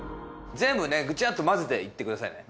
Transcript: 全部ねぐちゃっと混ぜていってくださいね。